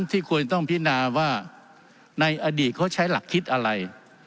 ที่ควรต้องพินาว่าในอดีตเขาใช้หลักคิดอะไร